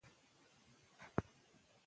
هغوی اوس په ګډه د سبا ورځې لپاره پلان جوړوي.